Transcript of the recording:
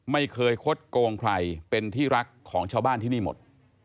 ไม่เคยคดโกงใครเป็นที่รักของชาวบ้านที่นี่หมด